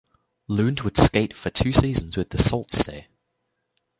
Lund would skate for two seasons with the Sault Ste.